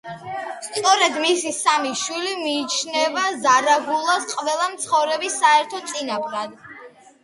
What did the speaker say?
სწორედ მისი სამი შვილი მიიჩნევა ზარაგულას ყველა მცხოვრების საერთო წინაპრად.